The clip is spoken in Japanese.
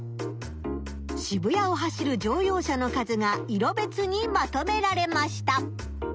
渋谷を走る乗用車の数が色別にまとめられました。